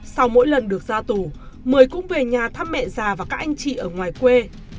sau mỗi lần được ra tù mười cũng về nhà thăm mẹ già và các anh chị ở ngoài quê